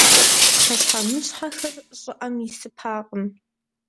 Пхъэщхьэмыщхьэхэр щӏыӏэм исыпакъым.